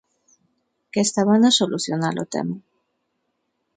Que estaban a solucionar o tema.